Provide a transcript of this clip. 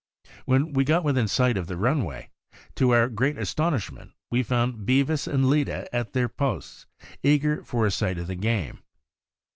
When we got within sight of the runway, to our great astonishment we found Bevis and Leda at their posts, eager for a sight of the game.